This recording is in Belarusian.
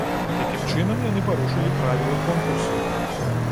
Такім чынам яны парушылі правілы конкурсу.